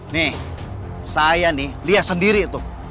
nih saya nih lihat sendiri tuh